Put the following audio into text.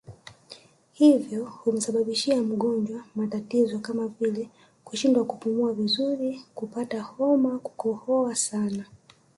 Hivyo humsababishia mgonjwa matatizo kama vile kushindwa kupumua vizuri kupata homa kukohoa sana